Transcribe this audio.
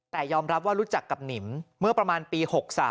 แต่ยอมรับว่ารู้จักกับหนิมเมื่อประมาณปี๖๓